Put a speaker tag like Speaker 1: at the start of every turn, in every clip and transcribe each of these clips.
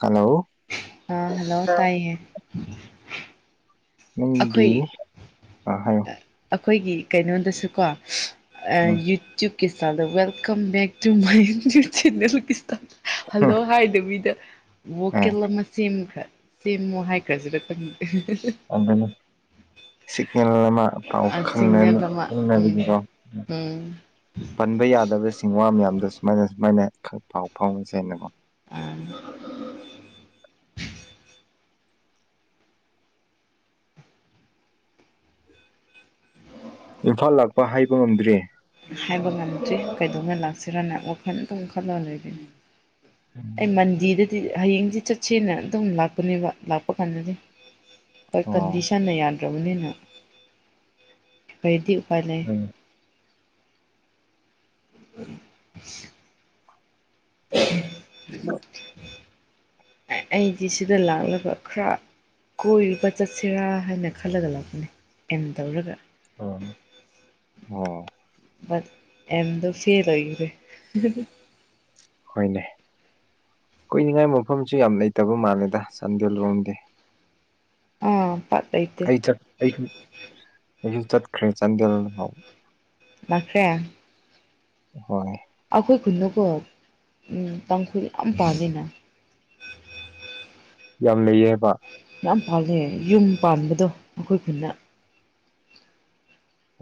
Speaker 1: hello
Speaker 2: ꯑ hello ꯇꯥꯏ ꯍꯦ
Speaker 1: ꯅꯪꯒꯤꯤ ꯑ ꯍꯥꯏꯣ
Speaker 2: ꯑꯩꯈꯣꯏꯒꯤ ꯀꯩꯅꯣꯗꯁꯨꯀꯣ
Speaker 1: ꯎꯝ
Speaker 2: ꯌꯨꯇ꯭ꯌꯨꯞ ꯀ꯭ꯔꯤꯁꯇꯥꯟꯗ welcome back to my ꯌꯇ channel ꯀ꯭ꯔꯤꯁꯇꯥꯟ ꯍꯜꯂꯣ ꯍꯥꯏꯗꯕꯤꯗ
Speaker 1: ꯑꯦ
Speaker 2: ꯣꯀꯦꯜ ꯑꯃ ꯁꯦꯝꯈ ꯁꯦꯝꯃꯣ ꯍꯥꯏꯈ꯭ꯔꯖꯤꯔꯪ
Speaker 1: ꯑꯗꯨꯗꯅꯤ ꯁꯤꯒꯅꯦꯜ ꯑꯃ ꯄꯥꯎ
Speaker 2: ꯁꯤꯒꯅꯦꯜ ꯑꯃ ꯎꯝ
Speaker 1: ꯈꯪꯕꯤꯒꯤꯀꯣ
Speaker 2: ꯎꯝ
Speaker 1: ꯄꯟꯕ ꯌꯥꯗꯕꯁꯤꯡ ꯋꯥ ꯃꯌꯥꯝꯗꯣ ꯁꯨꯃꯥꯏꯅ ꯁꯨꯃꯥꯏꯅ ꯈꯔ ꯄꯥꯎ ꯐꯥꯎꯉꯁꯦ ꯑꯅꯀꯣ
Speaker 2: ꯑ
Speaker 1: ꯏꯝꯐꯥꯜ ꯂꯥꯛꯄ ꯍꯥꯏꯕ ꯉꯝꯗ꯭ꯔꯦ
Speaker 2: ꯍꯥꯏꯕ ꯉꯝꯗ꯭ꯔꯤ ꯀꯩꯗꯧꯅ ꯂꯥꯛꯁꯤꯔꯅ ꯋꯥꯈꯜ ꯑꯗꯨꯪ ꯈꯜꯂ ꯂꯩꯒꯅꯤ ꯑꯩ ꯃꯟꯖꯤꯗ ꯍꯌꯦꯡꯗꯤ ꯆꯠꯁꯦꯅ ꯑꯗꯨꯝ ꯂꯥꯛꯄꯅꯦꯕ ꯂꯥꯛꯄ ꯀꯥꯟꯗꯗꯤ ꯍꯣꯏ
Speaker 1: ꯑꯣ
Speaker 2: ꯀꯟꯗꯤꯁꯟꯅ ꯌꯥꯗ꯭ꯔꯕꯅꯤꯅ ꯀꯔꯤꯗꯤ ꯎꯄꯥꯏ ꯂꯩ [unintelligible]
Speaker 1: ꯍꯂ
Speaker 2: ꯑꯩꯗꯤ ꯁꯤꯗ ꯂꯥꯛꯅꯕ ꯈꯔ ꯀꯣꯏꯔꯨꯕ ꯆꯠꯁꯤꯔꯥ ꯍꯥꯏꯅ ꯈꯜꯂꯒ ꯂꯥꯛꯄꯅꯦ ꯑꯩꯅ ꯇꯧꯔꯒ
Speaker 1: ꯑ ꯑꯣ
Speaker 2: ꯑꯦꯗ ꯐꯦꯗ ꯏꯔꯦ
Speaker 1: ꯍꯅꯦ ꯀꯨꯏꯅꯤꯡꯉꯥꯏ ꯃꯐꯝꯁꯨ ꯌꯥꯝ ꯂꯩꯇꯕ ꯃꯥꯜꯂꯦꯗ ꯆꯥꯟꯗꯦꯜ ꯂꯣꯝꯗꯤ
Speaker 2: ꯑꯥ ꯄꯠꯇꯩꯇꯦ
Speaker 1: ꯆꯠ ꯑꯩꯁꯨ ꯑꯩꯁꯨ ꯆꯠꯈ꯭ꯔꯦ ꯆꯥꯟꯗꯦꯜ ꯍꯥꯎ
Speaker 2: ꯂꯁꯦ
Speaker 1: ꯍꯣꯏ
Speaker 2: ꯑꯩꯈꯣꯏ ꯈꯨꯅꯨꯀꯣ ꯎ ꯇꯥꯡꯈꯨꯜ ꯌꯥꯝ ꯄꯥꯜꯂꯤꯅ
Speaker 1: ꯌꯥꯝ ꯂꯩꯌꯦ ꯍꯥꯏꯕ
Speaker 2: ꯌꯥꯝ ꯄꯥꯂ ꯌꯨꯝ ꯄꯥꯟꯕꯗꯣ ꯑꯩꯈꯣꯏ ꯈꯨꯟꯅ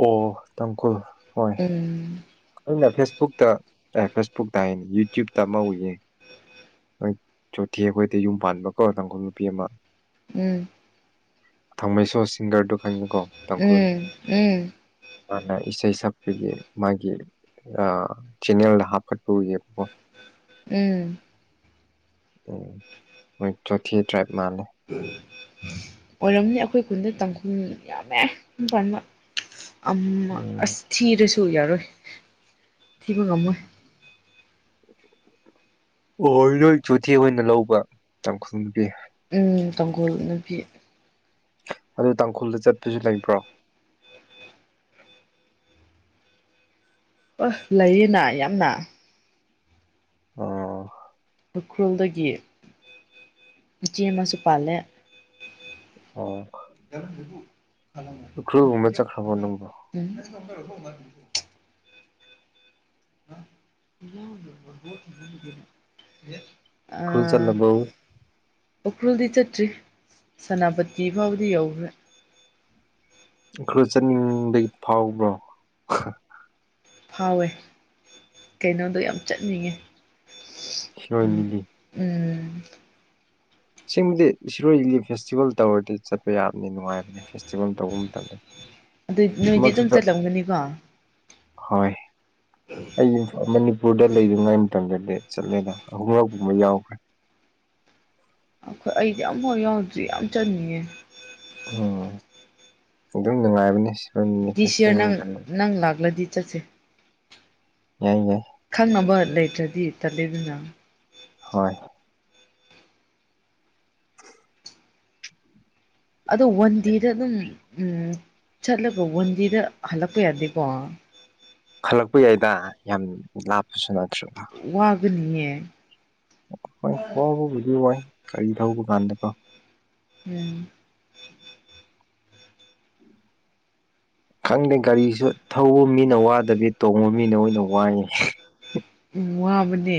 Speaker 1: ꯑꯣ ꯇꯪꯀꯨꯜ
Speaker 2: ꯎꯝ
Speaker 1: ꯍꯣꯏꯦ ꯐꯦꯁꯕꯨꯛꯇ ꯑꯦ ꯐꯦꯁꯕꯨꯛꯇ ꯍꯥꯏꯅꯤ ꯌꯨꯇ꯭ꯌꯨꯕꯇ ꯑꯃ ꯎꯌꯦ ꯅꯣꯏ ꯆꯣꯊꯤ ꯑꯩꯈꯣꯏꯗ ꯌꯨꯝ ꯄꯥꯟꯕ ꯀꯣ ꯇꯥꯡꯈꯨꯜ ꯅꯨꯄꯤ ꯑꯃ
Speaker 2: ꯎꯝ
Speaker 1: ꯊꯥꯃꯩꯁꯨꯣ ꯁꯤꯡꯒꯔꯗꯨ ꯈꯪꯉꯨꯀꯣ ꯇꯥꯡꯈꯣꯏꯂꯨ
Speaker 2: ꯎꯝ ꯎꯝ
Speaker 1: ꯑꯅ ꯏꯁꯩ ꯁꯞꯄꯒꯤ ꯃꯥꯒꯤ ꯆꯦꯟꯅꯦꯜꯗ ꯍꯥꯞꯀꯠꯄꯌꯦꯕꯀꯣ
Speaker 2: ꯎꯝ
Speaker 1: ꯎꯝ ꯍꯁ ꯊ ꯇ꯭ꯔꯥꯏ
Speaker 2: ꯎ ꯑꯣꯏꯔꯝꯅꯤ ꯑꯩꯈꯣꯏ ꯈꯨꯟꯗ ꯇꯥꯡꯈꯨꯜ ꯌꯥꯝꯃꯦ ꯄꯥꯟꯕ
Speaker 1: ꯎꯝ
Speaker 2: ꯑꯁ ꯊꯤꯔꯁꯨ ꯌꯥꯔꯣꯏ ꯊꯤꯕ ꯉꯝꯃꯣꯏ
Speaker 1: ꯑꯣꯍꯣꯏ ꯅꯣꯏ ꯆꯨꯊꯦ ꯑꯣꯏꯅ ꯂꯧꯕꯪ
Speaker 2: ꯎ ꯇꯥꯡꯒꯣꯜ ꯅꯨꯄꯤ
Speaker 1: ꯑꯗꯨ ꯇꯥꯡꯈꯨꯜꯗ ꯆꯠꯄꯁꯨ ꯂꯩꯕ꯭ꯔꯣ
Speaker 2: ꯑ ꯂꯩꯌꯦꯅ ꯌꯥꯝꯅ
Speaker 1: ꯑꯣ
Speaker 2: ꯎꯈ꯭ꯔꯨꯜꯗꯒꯤ ꯏꯆꯦ ꯑꯃꯁꯨ ꯄꯥꯜꯂꯦ
Speaker 1: ꯑꯣ
Speaker 2: ꯀꯔꯣ ꯊꯨ
Speaker 1: ꯎꯈ꯭ꯔꯨꯜꯒꯨꯝꯕ ꯆꯠꯈ꯭ꯔꯕꯣ ꯅꯪꯕꯣ
Speaker 2: [unintelligible] [inaudible] ꯑꯣ ꯌꯦ ꯑ
Speaker 1: ꯎꯈ꯭ꯔꯨꯜ ꯆꯠꯂꯕꯣ
Speaker 2: ꯎꯈ꯭ꯔꯨꯜꯗꯤ ꯆꯦꯇ꯭ꯔꯤ ꯁꯦꯅꯥꯄꯇꯤ ꯐꯥꯎꯕꯗꯤ ꯌꯧꯈ꯭ꯔꯦ
Speaker 1: ꯈꯔ ꯆꯠꯅꯤꯡꯕꯒꯤ ꯐꯥꯎꯕ꯭ꯔꯣ
Speaker 2: ꯐꯥꯎꯋꯦ ꯀꯩꯅꯣꯗꯣ ꯌꯥꯝ ꯆꯠꯅꯤꯡꯉꯦ ꯎꯝ
Speaker 1: ꯍꯤꯔꯣꯏꯅꯤꯒꯤ
Speaker 2: ꯎꯝ
Speaker 1: ꯁꯤꯡꯕꯨꯗꯤ ꯏꯁꯔꯣꯏꯂꯤ ꯐꯦꯁꯇꯤꯚꯦꯜ ꯇꯧꯔꯗꯤ ꯆꯠꯄ ꯌꯥꯝꯅꯤ ꯅꯨꯡꯉꯥꯏꯕꯅꯦ ꯐꯦꯁꯇꯤꯚꯦꯜ ꯇꯧꯕ ꯃꯇꯝꯗꯗꯤ
Speaker 2: ꯑꯗꯨ ꯅꯨꯃꯤꯗꯤ ꯑꯗꯨꯝ ꯆꯠꯂꯝꯒꯅꯤꯀꯣ
Speaker 1: ꯍꯣꯏ ꯑꯩ ꯃꯅꯤꯄꯨꯔꯗ ꯂꯩꯔꯤꯉꯥꯏ ꯃꯇꯝꯗ ꯆꯠꯂꯦꯗ ꯑꯍꯨꯝꯂꯛꯄꯨꯝꯕ ꯌꯥꯎꯈ꯭ꯔꯦ
Speaker 2: ꯑꯩꯈꯣꯏ ꯑꯩꯗꯤ ꯌꯥꯝ ꯍꯥꯎ ꯌꯥꯎꯗ꯭ꯔꯤ ꯌꯥꯝ ꯆꯟꯅꯤꯡꯉꯦ
Speaker 1: ꯎꯝ ꯑꯗꯨꯝ ꯅꯨꯡꯉꯥꯏꯕꯅꯤ ꯁ
Speaker 2: ꯗꯤꯁ ꯌꯔ ꯅꯪ
Speaker 1: ꯐꯦ
Speaker 2: ꯅꯪ ꯂꯥꯛꯂꯗꯤ ꯆꯠꯁꯦ
Speaker 1: ꯌꯥꯏ ꯌꯥꯏ
Speaker 2: ꯈꯪꯅꯕ ꯂꯩꯇ꯭ꯔꯗꯤ ꯇꯠꯂꯤꯗꯨꯅ
Speaker 1: ꯍꯣꯏ ꯍ
Speaker 2: ꯑꯗꯣ ꯋꯥꯟ ꯗꯦꯗ ꯑꯗꯨꯝ ꯎꯝ ꯆꯠꯂ ꯄꯣꯕꯕꯟꯗꯤꯗ ꯍꯂꯄꯙꯀꯣ
Speaker 1: ꯈꯜꯂꯛꯄ ꯌꯥꯏꯗ ꯌꯥꯝ ꯂꯥꯞꯄꯁꯨ ꯅꯠꯇ꯭ꯔꯦꯗ
Speaker 2: ꯒꯅꯤ ꯍꯥꯏ
Speaker 1: ꯍꯣꯏ ꯍꯕꯕꯨꯗꯤ ꯋꯥꯏ ꯀꯔꯤ ꯊꯧꯕ ꯀꯥꯟꯗꯀꯣ
Speaker 2: ꯎꯝ
Speaker 1: ꯈꯪꯗꯦ ꯒꯥꯔꯤꯁꯨ ꯊꯧꯕ ꯃꯤꯅ ꯋꯥꯗꯕꯤ ꯇꯣꯡꯕ ꯃꯤꯅ ꯑꯣꯏꯅ ꯋꯥꯏ
Speaker 2: ꯎ ꯋꯥꯕꯅꯦ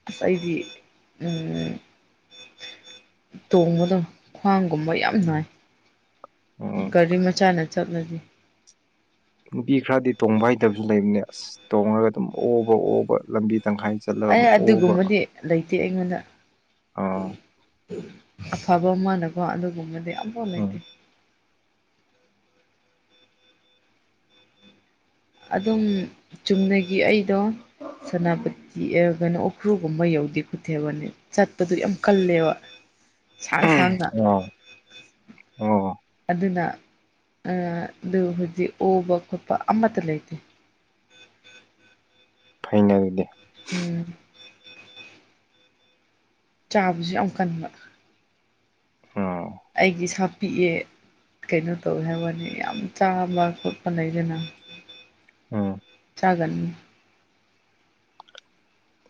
Speaker 2: ꯉꯁꯥꯏꯗꯤ ꯎ ꯇꯣꯡꯕꯗ ꯈ꯭ꯋꯥꯡꯒꯨꯝꯕ ꯌꯥꯝ ꯅꯥꯉꯏ
Speaker 1: ꯎꯝ
Speaker 2: ꯒꯥꯔꯤ ꯃꯆꯥꯅ ꯆꯠꯂꯕꯤ
Speaker 1: ꯅꯨꯄꯤ ꯈꯔꯗꯤ ꯇꯣꯡꯕ ꯍꯩꯇꯕꯁꯨ ꯂꯩꯕꯅꯦ ꯑꯁ ꯇꯣꯡꯉꯒ ꯑꯗꯨꯝ ꯑꯣꯕ ꯑꯣꯕ ꯂꯝꯕꯤ ꯇꯪꯈꯥꯏ ꯆꯠꯂꯒ
Speaker 2: ꯑꯦ
Speaker 1: ꯑꯃꯨꯛ ꯑꯣꯕ
Speaker 2: ꯑꯗꯨꯒꯨꯝꯕꯗꯤ ꯂꯩꯇꯦ ꯑꯩꯉꯣꯟꯗ
Speaker 1: ꯑꯥ
Speaker 2: ꯑꯐꯕ ꯑꯃꯅꯀꯣ ꯑꯗꯨꯒꯨꯝꯕꯗꯤ ꯑꯐꯥꯎ ꯂꯩꯇꯦ
Speaker 1: ꯎꯝ
Speaker 2: ꯑꯗꯨꯝ ꯆꯨꯝꯅꯒꯤ ꯑꯩꯗꯣ ꯁꯦꯅꯥꯄꯇꯤ ꯀꯩꯅꯣ ꯎꯈ꯭ꯔꯨꯒꯨꯝꯕ ꯌꯧꯗꯦ ꯈꯨꯊꯦꯝꯕꯅꯦ ꯆꯠꯄꯗꯨ ꯌꯥꯝ ꯀꯜꯂꯦꯕ ꯁꯥꯡ ꯁꯥꯡꯅ
Speaker 1: ꯑꯣ ꯑꯣ
Speaker 2: ꯑꯗꯨꯅ ꯑ ꯑꯗꯨ ꯍꯧꯖꯤ ꯑꯣꯕ ꯈꯣꯠꯄ ꯑꯃꯠꯇ ꯂꯩꯇꯦ
Speaker 1: ꯐꯩꯅ ꯑꯗꯨꯗꯤ
Speaker 2: ꯎꯝ ꯆꯥꯕꯁꯨ ꯌꯥꯝ ꯀꯟꯕ
Speaker 1: ꯎꯝ
Speaker 2: ꯑꯩꯒꯤ ꯁꯥ ꯄꯤꯛꯑꯦ ꯀꯩꯅꯣ ꯇꯧꯋꯦ ꯍꯥꯏꯕꯅꯤ ꯌꯥꯝ ꯆꯥꯕ ꯈꯣꯠꯄ ꯂꯩꯗꯅ
Speaker 1: ꯎꯝ
Speaker 2: ꯆꯒꯅꯤ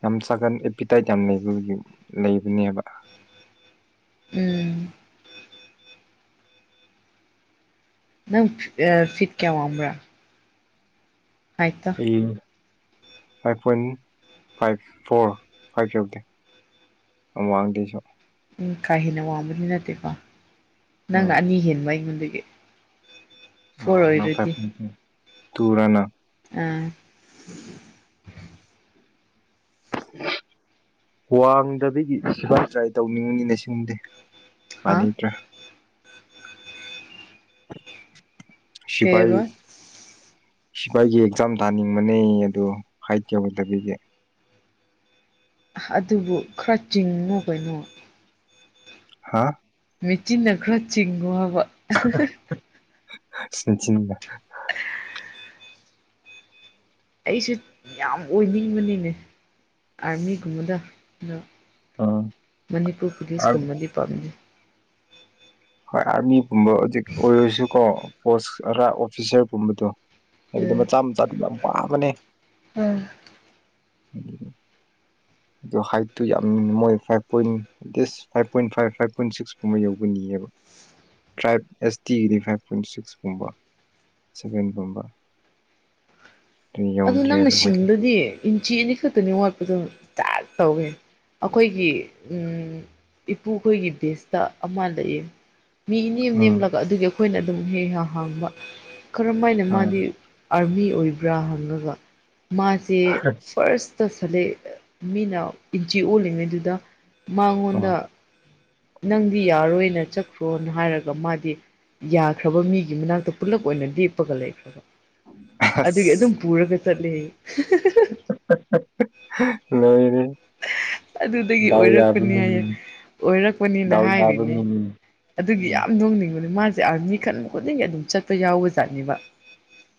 Speaker 1: ꯌꯥꯝ ꯁꯥꯒꯟ ꯑꯦꯄꯤꯇꯥꯏꯠ ꯌꯥꯝ ꯂꯩꯕꯒꯤ ꯂꯩꯕꯅꯦꯕ
Speaker 2: ꯎꯝ ꯅꯪ ꯐꯤꯠ ꯀꯌꯥ ꯋꯥꯡꯕ꯭ꯔ
Speaker 1: ꯎꯝ five point five four five ꯌꯧꯗꯦ ꯑꯃꯥꯡꯗꯦꯁꯨ
Speaker 2: ꯎꯝ ꯀꯥ ꯍꯦꯟꯅ ꯋꯥꯡꯕꯗꯤ ꯅꯠꯇꯦꯀꯣ ꯅꯪꯅ
Speaker 1: ꯎꯝ
Speaker 2: ꯑꯅꯤ ꯍꯦꯟꯕ ꯑꯩꯉꯣꯟꯗꯒꯤ ꯐꯣꯔ
Speaker 1: ꯑ
Speaker 2: ꯑꯣꯏꯔꯗꯤ
Speaker 1: ꯐꯥꯢꯕ ꯇꯨꯔ ꯅꯪ
Speaker 2: ꯑꯥ [inaudible]
Speaker 1: ꯋꯥꯡꯗꯕꯒꯤ ꯁꯤꯐꯥꯏ ꯇ꯭ꯔꯥꯏ ꯇꯧꯅꯤꯡꯉꯨꯅꯤꯅꯦ ꯁꯤꯒꯨꯝꯗꯤ
Speaker 2: ꯍꯥ
Speaker 1: ꯃꯅꯤꯇ꯭ꯔ ꯁꯤꯄꯥꯜ
Speaker 2: ꯀꯩꯕ
Speaker 1: ꯁꯤꯐ ꯑꯩꯒꯤ ꯑꯦꯛꯖꯥꯝ ꯇꯥꯅꯤꯡꯕꯅꯦ ꯑꯗꯨ ꯍꯥꯏꯠ ꯌꯧꯒꯗꯕꯤꯒꯤ
Speaker 2: ꯑꯗꯨꯕꯨ ꯀ꯭ꯔꯆꯤꯡꯉ ꯀꯩꯅꯣ
Speaker 1: ꯍꯥꯥ
Speaker 2: ꯃꯦꯆꯤꯟꯅ ꯈꯔ ꯆꯤꯡꯉꯣ ꯍꯥꯏꯕ
Speaker 1: ꯁꯤꯆ
Speaker 2: ꯑꯩꯁꯨ ꯌꯥꯝ ꯑꯣꯏꯅꯤꯡꯕꯅꯤꯅꯦ ꯑꯥꯔꯃꯤꯒꯨꯝꯕꯗ ꯑꯗꯣ
Speaker 1: ꯎꯝ
Speaker 2: ꯃꯅꯤꯄꯨꯔ ꯄꯨꯂꯤꯁ
Speaker 1: ꯍꯣꯏ
Speaker 2: ꯀꯨꯝꯃꯗꯤ ꯄꯥꯝꯅꯤ
Speaker 1: ꯍꯣꯏ ꯑꯥꯔꯃꯤꯒꯨꯝꯕ ꯍꯧꯖꯤꯛ ꯑꯣꯏꯔꯁꯨꯀꯣ ꯄꯣꯁ ꯈꯔ ꯑꯣꯐꯤꯁꯥꯔꯒꯨꯝꯕꯗꯣ ꯍꯥꯏꯕꯗꯤ ꯃꯆꯥ ꯃꯆꯥꯗꯨ ꯌꯥꯝ ꯋꯥꯥꯕꯅꯦ
Speaker 2: ꯎꯝ
Speaker 1: ꯎꯝ ꯑꯗꯣ ꯍꯥꯏꯠꯇꯨ ꯌꯥꯝ ꯃꯣꯏ five point at least five point five five point ꯁꯤꯛꯁꯀꯨꯝꯕ ꯌꯧꯒꯅꯤꯑꯕ ꯇ꯭ꯔꯥꯏꯞ ꯑꯦꯁ ꯇꯤꯒꯤꯗꯤ ꯐꯥꯏꯚ ꯄꯣꯏꯟ ꯁꯤꯛꯁꯀꯨꯝꯕ ꯁꯚꯦꯟ ꯒꯨꯝꯕꯥ
Speaker 2: ꯑꯗꯨ ꯅꯪꯅ
Speaker 1: ꯍꯣꯏ
Speaker 2: ꯁꯤꯡꯗꯨꯗꯤ ꯏꯟꯆꯤ ꯑꯅꯤ ꯈꯛꯇꯅꯤ ꯋꯥꯠꯄꯗꯣ ꯇ ꯇꯧꯏꯦ ꯑꯩꯈꯣꯏꯒꯤ ꯏꯄꯨꯈꯣꯏꯒꯤ ꯕꯦꯁꯇ ꯑꯃ ꯂꯩꯌꯦ ꯃꯤ ꯅꯦꯝ
Speaker 1: ꯎꯝ
Speaker 2: ꯅꯦꯝꯂꯒ ꯑꯗꯨꯒꯤ ꯑꯩꯈꯣꯏꯅ ꯑꯗꯨꯝ ꯍꯦꯛ ꯍ ꯍꯥꯡꯕ ꯀꯔꯝ ꯍꯥꯏꯅ
Speaker 1: ꯎꯝ
Speaker 2: ꯃꯥꯗꯤ ꯑꯥꯔꯃꯤ ꯑꯣꯏꯕ꯭ꯔꯥ ꯍꯪꯉꯒ ꯃꯥꯁꯦ ꯐꯥꯔꯁ ꯇꯁꯠꯂꯛꯦ ꯃꯤꯅ ꯏꯟꯆꯤ ꯑꯣꯜꯂꯤꯉꯩꯗꯨꯗ ꯃꯉꯣꯟꯗ
Speaker 1: ꯎꯝ
Speaker 2: ꯅꯪꯗꯤ ꯌꯥꯔꯣꯏꯅ ꯆꯠꯈ꯭ꯔꯣꯅ ꯍꯥꯏꯔꯒ ꯃꯥꯗꯤ ꯌꯥꯈ꯭ꯔꯕ ꯃꯤꯒꯤ ꯃꯅꯥꯛꯇ ꯄꯨꯜꯂꯞ ꯑꯣꯏꯅ ꯂꯦꯛꯞꯄꯒ ꯂꯩꯈ꯭ꯔꯕ ꯑꯗꯨꯒꯤ ꯑꯗꯨꯝ
Speaker 1: ꯑꯁ
Speaker 2: ꯄꯨꯔꯒ ꯆꯠꯂꯤ
Speaker 1: ꯅꯣꯏꯗꯤ
Speaker 2: ꯑꯗꯨꯗꯒꯤ ꯑꯣꯏꯔꯛꯄꯅꯤ ꯍꯥꯏꯌꯦꯦ ꯑꯣꯏꯔꯛꯄꯅꯦꯅ
Speaker 1: ꯗꯥꯎ ꯌꯥꯕ
Speaker 2: ꯍꯥꯏꯔꯤꯅꯦ
Speaker 1: ꯃꯤꯅꯤꯅꯦ
Speaker 2: ꯑꯗꯨꯒꯤ
Speaker 1: ꯎꯝ
Speaker 2: ꯌꯥꯝ ꯅꯣꯡꯅꯤꯡ ꯃꯥꯁꯦ ꯑꯥꯔꯃꯤ ꯈꯟ ꯈꯨꯗꯤꯡꯒꯤ ꯑꯗꯨꯝ ꯆꯠꯄ ꯌꯥꯎꯕ ꯖꯥꯠꯅꯦꯕ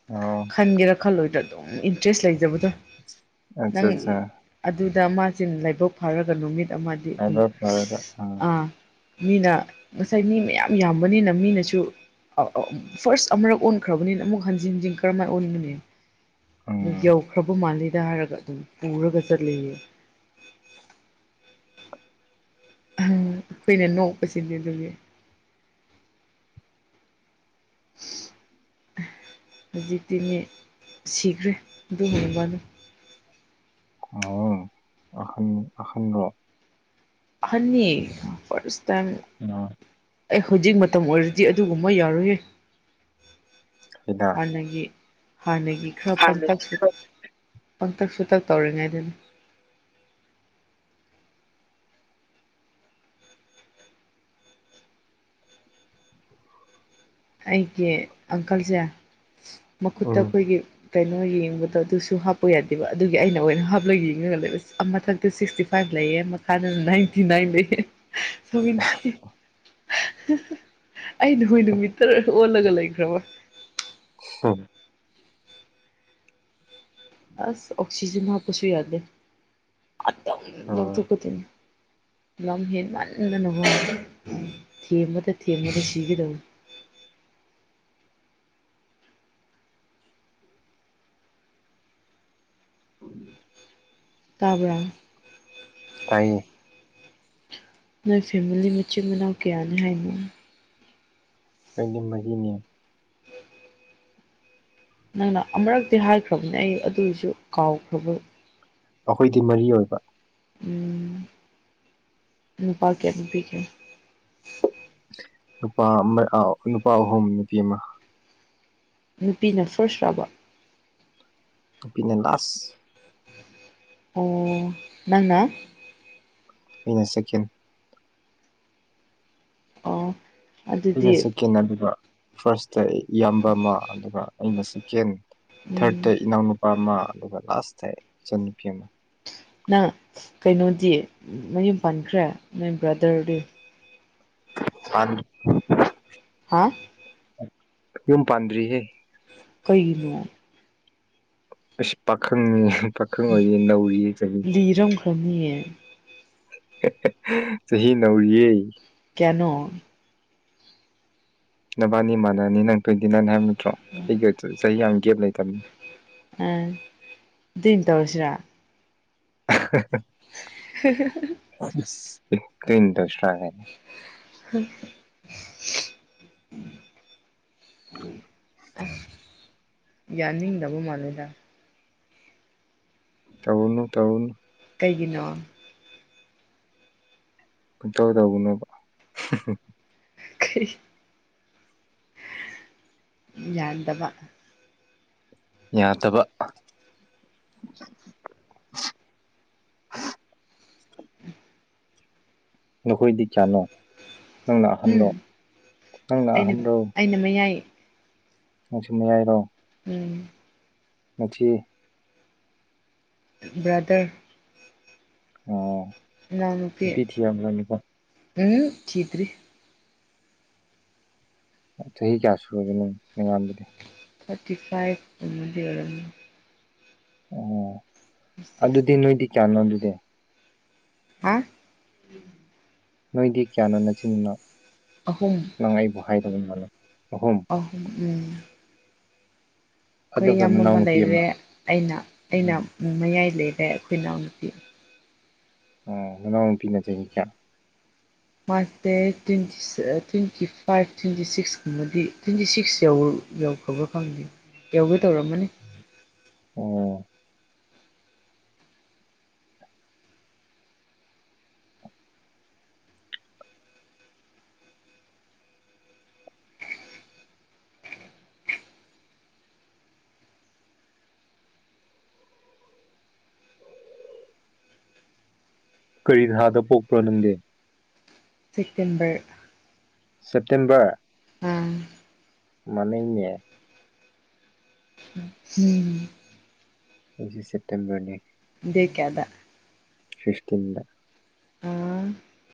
Speaker 1: ꯑꯣ
Speaker 2: ꯋꯥꯜꯣꯏꯗ ꯑꯗꯨꯝ ꯏꯟꯇꯔꯦꯁ ꯂꯩꯖꯕꯗꯣ
Speaker 1: ꯑꯠꯆꯥ ꯑꯠꯆꯥ
Speaker 2: ꯅꯪ ꯑꯗꯨ ꯗ ꯃꯥꯁꯤ ꯂꯥꯏꯕꯛ ꯐꯥꯔꯒ ꯅꯨꯃꯤꯠ ꯑꯃꯗꯤ ꯑꯗꯨꯝ
Speaker 1: ꯑꯗꯣ ꯐꯔꯦ ꯎꯝ
Speaker 2: ꯑ ꯃꯤꯅ ꯉꯁꯥꯏ ꯃꯤ ꯃꯌꯥꯝ ꯌꯥꯝꯕꯅꯤꯅ ꯃꯤꯅꯁꯨ ꯐꯥꯔꯁ ꯑꯃꯨꯔꯛ ꯑꯣꯟꯈ꯭ꯔꯕꯅꯤꯅ ꯑꯃꯨꯛ ꯍꯟꯖꯤꯟ ꯍꯟꯖꯤꯟ ꯀꯔꯝꯥꯏꯅ ꯑꯣꯟꯕꯅꯤ
Speaker 1: ꯎꯝ
Speaker 2: ꯌꯧꯈ꯭ꯔꯕ ꯃꯥꯜꯂꯤꯗ ꯍꯥꯏꯔꯒ ꯑꯗꯨꯝ ꯄꯨꯔꯒ ꯆꯠꯂꯤꯌꯦ ꯎꯝ ꯑꯩꯨꯏꯅ ꯅꯣꯛꯄꯁꯤꯗꯤ ꯑꯗꯨꯒꯤ
Speaker 1: [unintelligible]
Speaker 2: ꯍꯧꯖꯤꯛꯇꯤꯅꯦ ꯁꯤꯈ꯭ꯔꯦ ꯑꯗꯨ ꯍꯣꯡꯕꯗ
Speaker 1: ꯑ ꯑꯟ ꯑꯈꯟꯗ
Speaker 2: ꯍꯥꯏꯅꯤ ꯐꯁ ꯇꯥꯏ
Speaker 1: ꯎ
Speaker 2: ꯑꯩ ꯍꯧꯖꯤꯛ ꯃꯇꯝ ꯑꯣꯏꯔꯗꯤ ꯑꯗꯨꯒꯨꯝꯕ ꯌꯥꯔꯨꯌꯦꯦ
Speaker 1: ꯁꯤꯗ
Speaker 2: ꯍꯥꯟꯅꯒꯤ ꯍꯥꯟꯅꯒꯤ ꯈꯔ ꯄꯪꯇꯛ ꯇꯛꯁꯨꯨ ꯇꯛ ꯇꯧꯔꯤꯉꯩꯗꯅ ꯑꯩꯒꯤ ꯑꯪꯀꯜꯁꯦ ꯃꯈꯨꯠꯇ
Speaker 1: ꯎꯝ
Speaker 2: ꯑꯩꯈꯣꯏꯒꯤ ꯀꯩꯅꯣ ꯌꯦꯡꯕꯗꯣ ꯑꯗꯨꯁꯨ ꯍꯥꯞꯄ ꯌꯥꯗꯦꯕ ꯑꯗꯨꯒꯤ ꯑꯩꯅ ꯑꯣꯏꯅ ꯍꯥꯞꯂꯒ ꯌꯦꯡꯉꯒ ꯂꯩꯕ ꯃꯊꯛꯇ ꯁꯤꯛꯁꯇꯤ ꯐꯥꯏꯚ ꯂꯩꯌꯦ ꯃꯈꯥꯗ ꯅꯥꯏꯟꯇꯤ ꯅꯥꯏꯟ ꯂꯩꯌꯦ ꯁꯧꯦ ꯑꯩ ꯅ ꯍꯣꯏ ꯅꯨꯃꯤꯠ ꯑꯣ ꯑꯒ ꯂꯒ ꯔ꯭ꯔꯕ
Speaker 1: ꯑ
Speaker 2: ꯑꯁ ꯑꯣꯛꯁꯤꯖꯟ ꯍꯥꯞꯄꯁꯨ ꯌꯥꯗꯦ
Speaker 1: ꯎꯝ
Speaker 2: ꯂꯧꯊꯣꯛꯄꯗꯅꯤ ꯂ ꯍꯦ ꯃꯥꯜꯗꯅꯕ ꯊꯤꯃꯗ ꯊꯤꯃꯗ ꯁꯤꯤꯕꯤꯗꯧ
Speaker 1: [unintelligible] ꯎꯝ
Speaker 2: ꯀꯕ꯭ꯔ
Speaker 1: ꯇ
Speaker 2: ꯅꯣꯏ ꯐꯦꯃꯤꯂꯤ ꯃꯆꯤꯟ ꯃꯅꯥꯎ ꯀꯌꯥꯅꯤ ꯍꯥꯏꯅꯉ
Speaker 1: ꯀꯗꯤ ꯃꯔꯤꯅꯤ
Speaker 2: ꯅꯪꯅ ꯑꯃꯨꯔꯛꯇꯤ ꯍꯥꯏꯈ꯭ꯔꯕꯅꯦ ꯑꯩ ꯑꯗꯨꯏꯁꯨ ꯀꯥꯎꯈ꯭ꯔꯕ
Speaker 1: ꯑꯩꯈꯣꯏꯗꯤ ꯃꯔꯤ ꯑꯣꯏꯕ
Speaker 2: ꯎꯝ ꯎꯝ ꯄꯀꯦ ꯄꯤꯦ
Speaker 1: ꯅꯨꯄꯥ ꯅꯨꯄꯥ ꯑꯍꯨꯝ ꯅꯨꯄꯤ ꯑꯃ
Speaker 2: ꯅꯨꯄꯤꯅ ꯐꯥꯔꯁ ꯔꯥꯎꯕ
Speaker 1: ꯄꯅꯗꯥꯥꯁ
Speaker 2: ꯑꯣ ꯒꯥ
Speaker 1: ꯃꯤꯩꯅ ꯁꯦꯀꯦꯟ
Speaker 2: ꯑꯣ
Speaker 1: ꯑꯩꯅ
Speaker 2: ꯑꯗꯨꯗꯤ
Speaker 1: ꯆꯦꯀꯦꯟ ꯍꯥꯏꯕꯤꯕ ꯐꯥꯔꯁꯇ ꯏꯌꯥꯝꯕ ꯑꯃ ꯑꯗꯨꯒ ꯑꯩꯅ ꯆꯦꯀꯦꯟ ꯊꯥꯔꯗꯇ
Speaker 2: ꯎꯝ
Speaker 1: ꯏꯅꯥꯎꯅꯨꯄꯥ ꯑꯃ ꯑꯗꯨꯒ ꯂꯥꯁꯇ ꯏꯆꯟꯅꯨꯄꯤ ꯑꯃ
Speaker 2: ꯅꯪ ꯀꯩꯅꯣꯗꯤ ꯃꯌꯨꯝ ꯄꯥꯟꯈ꯭ꯔꯦ ꯅꯣꯏ ꯕ꯭ꯔꯗꯔꯗꯤ
Speaker 1: ꯃꯥ
Speaker 2: ꯑ
Speaker 1: ꯍꯨꯝ ꯄꯥꯟꯗ꯭ꯔꯤꯍꯦ
Speaker 2: ꯀꯩꯅ
Speaker 1: ꯑꯁ ꯄꯥꯈꯪꯅꯦ ꯄꯥꯈꯪ ꯑꯣꯏꯌꯦ ꯅꯧꯔꯤꯌꯦ ꯀꯔꯤ
Speaker 2: ꯀꯌꯦ
Speaker 1: ꯆꯍꯤ ꯅꯧꯔꯤꯌꯦ
Speaker 2: ꯀꯩꯅꯣ
Speaker 1: ꯅꯕꯥꯅꯤ ꯃꯥꯟꯅꯅꯤ ꯅꯪ ꯇ꯭ꯋꯦꯟꯇꯤ ꯅꯥꯏꯟ ꯍꯥꯏꯕ ꯅꯠꯇ꯭ꯔꯣ ꯑꯩꯒ ꯆꯍꯤ ꯌꯥꯝ ꯒꯦꯞ ꯂꯩꯇꯕꯅꯤ
Speaker 2: ꯑ ꯑꯗꯨꯝ ꯇꯧꯔꯁꯤꯔꯥ
Speaker 1: ꯀꯤꯟ ꯇ ꯐ
Speaker 2: ꯍꯝ ꯌꯥꯅꯤꯗꯕꯨ ꯃꯥꯅꯗ
Speaker 1: ꯇꯥꯎꯟ ꯇꯥꯎꯟ
Speaker 2: ꯀꯩꯒꯤꯅꯣ
Speaker 1: ꯀꯣꯏ ꯇꯧꯗꯧꯕꯕ
Speaker 2: ꯀꯩ ꯌꯥꯠꯗꯕ
Speaker 1: ꯌꯥꯗꯕ [inaudible] ꯅꯈꯣꯏꯗꯤ ꯀꯌꯥꯅꯣ ꯅꯪꯅ ꯑꯍꯟꯗꯣ
Speaker 2: ꯎꯝ
Speaker 1: ꯅꯪꯅ
Speaker 2: ꯑꯩꯅ
Speaker 1: ꯑꯍꯟꯗꯣ
Speaker 2: ꯑꯩꯅ ꯃꯌꯥꯏ
Speaker 1: ꯑ ꯁꯨꯝꯅ ꯌꯥꯏꯔꯣ
Speaker 2: ꯎꯝ
Speaker 1: ꯃꯆ
Speaker 2: ꯕ꯭ꯔꯥꯗꯔ
Speaker 1: ꯑꯣ ꯅꯤꯄꯤ ꯊꯤꯔꯝꯂꯥꯅꯤꯀꯣ
Speaker 2: ꯎꯝ ꯊꯤꯇꯔꯤ
Speaker 1: ꯆꯍꯤ ꯀꯌꯥ ꯁꯨꯔꯒꯦ ꯅꯪ ꯃꯉꯌꯥꯝꯕꯗꯤ
Speaker 2: ꯊꯥꯔꯇꯤ ꯐꯥꯏꯚꯗꯤ ꯑꯣꯏꯔ
Speaker 1: ꯑꯣ
Speaker 2: ꯁꯤꯛꯁ
Speaker 1: ꯑꯗꯨꯗꯤ ꯅꯣꯏꯗꯤ ꯀꯌꯥꯅꯣ ꯑꯗꯨꯗꯤ
Speaker 2: ꯍꯥ
Speaker 1: ꯅꯣꯏꯗꯤ ꯀꯌꯥꯅꯣ ꯅꯆꯤꯟꯗꯨꯅ
Speaker 2: ꯑꯍꯨꯝ
Speaker 1: ꯅꯪ ꯑꯩꯕꯨ ꯍꯥꯏꯔꯒꯕꯅꯤ
Speaker 2: ꯑꯍꯨꯝ ꯑꯩꯈꯣꯏ
Speaker 1: ꯑꯗꯨꯒ
Speaker 2: ꯌꯥꯝꯌꯥꯝꯃ
Speaker 1: ꯅꯅꯥꯎꯅꯨꯄꯤ ꯑꯃ
Speaker 2: ꯂꯩꯔꯦ ꯑꯩꯅ ꯑꯩꯅ
Speaker 1: ꯎꯝ
Speaker 2: ꯃꯌꯥꯏ ꯂꯩꯔ ꯑꯩꯈꯣꯏ ꯏꯅꯥꯎ ꯅꯨꯨꯄꯤ
Speaker 1: ꯑꯣ ꯃꯅꯥꯎꯅꯨꯄꯤꯅ ꯆꯍꯤ ꯀꯌꯥ
Speaker 2: ꯃꯥꯦ ꯇ꯭ꯋꯦꯟꯇꯤ ꯇ꯭ꯋꯦꯟꯇꯤ ꯐꯥꯏꯚ ꯇ꯭ꯋꯦꯟꯇꯤ ꯁꯤꯛꯁꯀꯨꯝꯕꯗꯤ ꯇ꯭ꯋꯦꯟꯇꯤ ꯁꯤꯛꯁ ꯌꯧꯔ ꯌꯧꯈꯕ ꯐꯪꯗꯦ ꯌꯧꯒꯦ ꯇꯧꯔꯝꯃꯅꯤ
Speaker 1: ꯑꯣ ꯀꯔꯤ ꯊꯥꯗ ꯄꯣꯛꯄ꯭ꯔꯣ ꯅꯪꯗꯦ
Speaker 2: ꯁꯦꯇꯦꯝꯕꯔ
Speaker 1: ꯁꯦꯞꯇꯦꯝꯕꯔ
Speaker 2: ꯎꯝ
Speaker 1: ꯃꯅꯅꯦ
Speaker 2: ꯍꯝ
Speaker 1: ꯍꯧꯁꯤ ꯁꯦꯞꯇꯦꯝꯕꯔꯅꯦ
Speaker 2: ꯗ ꯀꯗ
Speaker 1: ꯁꯤꯁꯇꯤꯟꯗ